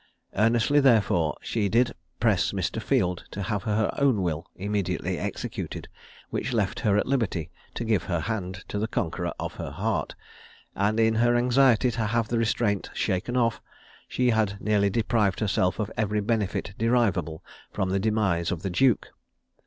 Earnestly therefore, did she press Mr. Field to have her own will immediately executed, which left her at liberty to give her hand to the conqueror of her heart; and in her anxiety to have the restraint shaken off, she had nearly deprived herself of every benefit derivable from the demise of the duke.